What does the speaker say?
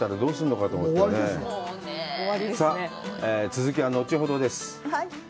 続きは後ほどです。